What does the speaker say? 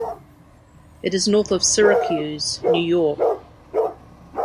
It is north of Syracuse, New York.